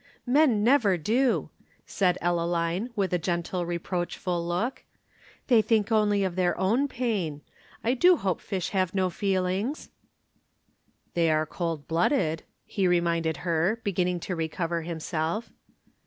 "Men never do," said Ellaline with a gentle reproachful look. "They think only of their own pain. I do hope fish have no feelings." "They are cold blooded," he reminded her, beginning to recover himself.